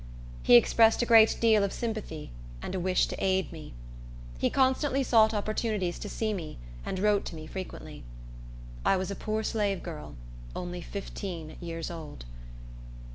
He expressed a great deal of sympathy, and a wish to aid me. He constantly sought opportunities to see me, and wrote to me frequently. I was a poor slave girl, only fifteen years old.